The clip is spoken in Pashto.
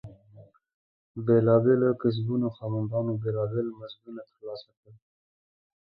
بېلابېلو کسبونو خاوندانو بېلابېل مزدونه ترلاسه کول.